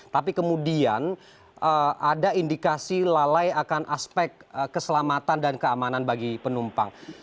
tapi kemudian ada indikasi lalai akan aspek keselamatan dan keamanan bagi penumpang